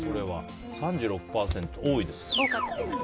３６％、多いですね。